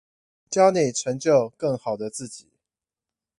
教你成就更好的自己